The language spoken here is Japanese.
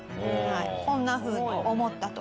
こんなふうに思ったと。